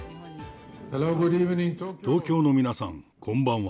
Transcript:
東京の皆さん、こんばんは。